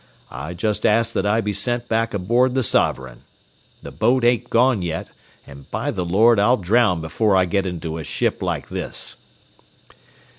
I just ask that I be sent back aboard the Sovereign. The boat ain't gone yet, and, by the Lord, I'll drown before I get into a ship like this."